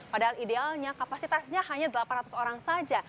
padahal idealnya kapasitasnya hanya delapan ratus orang saja